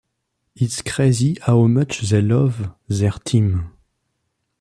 It's crazy how much they love their team.